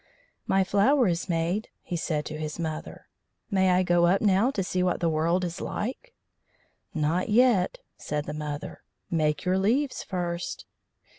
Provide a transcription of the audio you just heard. "My flower is made," he said to his mother. "May I go up now to see what the world is like?" "Not yet," said the mother. "Make your leaves first."